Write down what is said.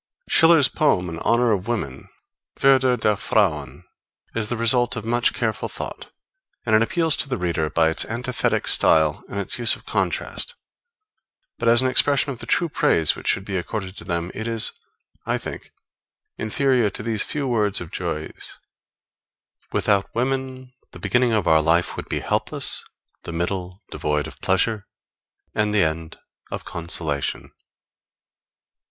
Schiller's poem in honor of women, Würde der Frauen, is the result of much careful thought, and it appeals to the reader by its antithetic style and its use of contrast; but as an expression of the true praise which should be accorded to them, it is, I think, inferior to these few words of Jouy's: Without women, the beginning of our life would be helpless; the middle, devoid of pleasure; and the end, of consolation.